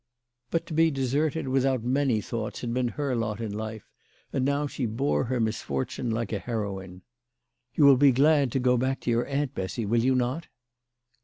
But to be deserted without many thoughts had been her lot in life, and now she bore THE LADY OF LATJ1TAY. 185 her misfortune like a heroine. " You will be glad to go back to your aunt, Bessy ; will you not